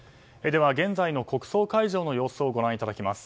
では現在の国葬会場の様子をご覧いただきます。